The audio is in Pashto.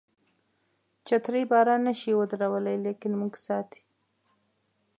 چترۍ باران نشي ودرولای لیکن موږ ساتي.